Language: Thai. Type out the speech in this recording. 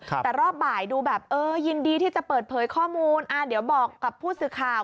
แต่รอบบ่ายดูแบบเออยินดีที่จะเปิดเผยข้อมูลอ่าเดี๋ยวบอกกับผู้สื่อข่าว